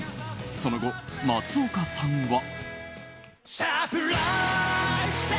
その後、松岡さんは。